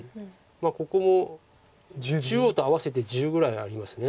ここも中央と合わせて１０ぐらいあります。